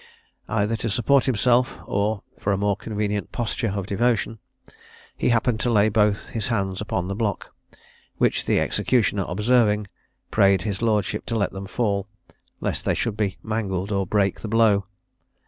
Either to support himself, or for a more convenient posture of devotion, he happened to lay both his hands upon the block, which the executioner observing, prayed his lordship to let them fall, lest they should be mangled or break the blow.